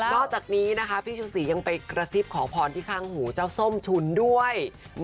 อกจากนี้นะคะพี่ชูศรียังไปกระซิบขอพรที่ข้างหูเจ้าส้มฉุนด้วย